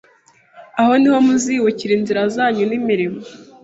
Aho ni ho muzibukira inzira zanyu n imirimo